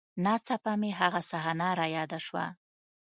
نا څاپه مې هغه صحنه راياده سوه.